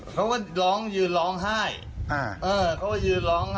เขาว่ายืนร้องไห้